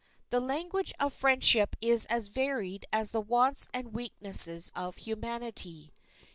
The language of friendship is as varied as the wants and weaknesses of humanity.